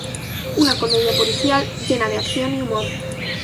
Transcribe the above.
Una comedia policial llena de acción y humor.